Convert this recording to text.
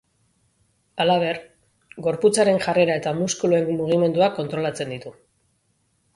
Halaber, gorputzaren jarrera eta muskuluen mugimenduak kontrolatzen ditu.